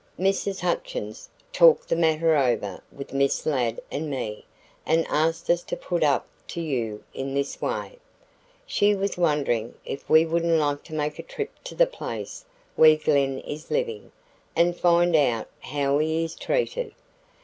"Mrs. Hutchins talked the matter over with Miss Ladd and me and asked us to put it up to you in this way: She was wondering if we wouldn't like to make a trip to the place where Glen is living and find out how he is treated.